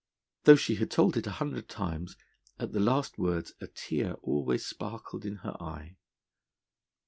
Though she had told it a hundred times, at the last words a tear always sparkled in her eye.